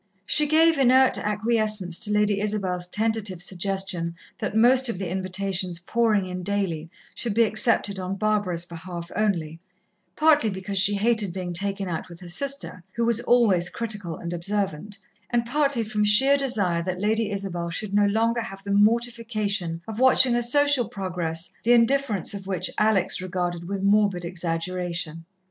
She gave inert acquiescence to Lady Isabel's tentative suggestion that most of the invitations pouring in daily should be accepted on Barbara's behalf only, partly because she hated being taken out with her sister, who was always critical and observant, and partly from sheer desire that Lady Isabel should no longer have the mortification of watching a social progress, the indifference of which Alex regarded with morbid exaggeration.